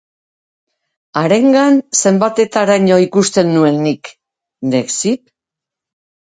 Harengan zenbateraino ikusten nuen nik Necip?